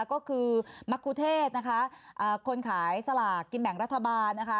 ก็คือมรรคุเทศนะคะคนขายสลากกินแบ่งรัฐบาลนะคะ